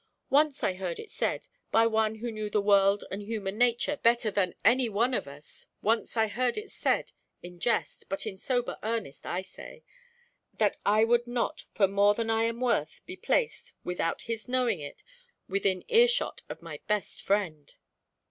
Once I heard it said, by one who knew the world and human nature better than any of us once I heard it said in jest, but in sober earnest I say, that I would not for more than I am worth be placed, without his knowing it, within earshot of my best friend."